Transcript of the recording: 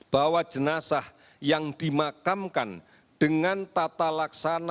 bahwa jenazah yang dimakamkan dengan tata laksana